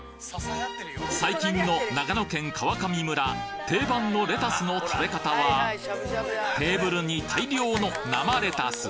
最近の長野県川上村定番のレタスの食べ方はテーブルに大量の生レタス